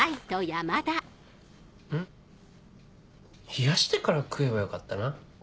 冷やしてから食えばよかったな。